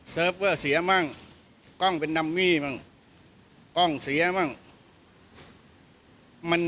เซิร์ฟเวอร์เสียบ้างกล้องเป็นนัมมี่บ้างกล้องเสียบ้าง